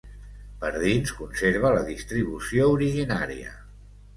Per dins conserva la distribució originària.